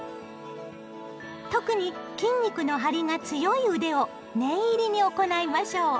特に筋肉の張りが強い腕を念入りに行いましょう。